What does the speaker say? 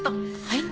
はい？